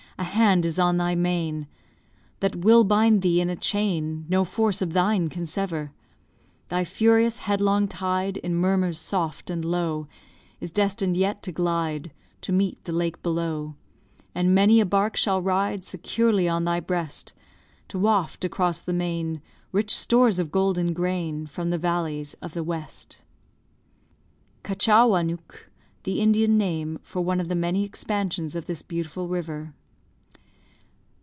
A hand is on thy mane That will bind thee in a chain No force of thine can sever. Thy furious headlong tide, In murmurs soft and low, Is destined yet to glide To meet the lake below; And many a bark shall ride Securely on thy breast, To waft across the main Rich stores of golden grain From the valleys of the West. The Indian name for one of the many expansions of this beautiful river.